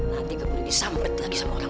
nanti kebunuh disampet lagi sama orang lain